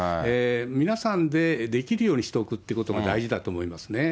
皆さんでできるようにしておくってことが大事だと思いますね。